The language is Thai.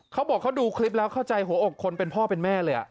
เขาบอกเขาดูคลิปแล้วเข้าใจหัวอกคนเป็นพ่อเป็นแม่เลย